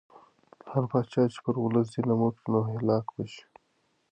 هر پاچا چې پر ولس ظلم وکړي نو هلاک به شي.